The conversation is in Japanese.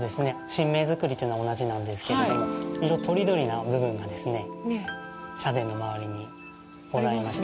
神明造というのは同じなんですけれども、色とりどりな部分がですね、社殿の周りにございます。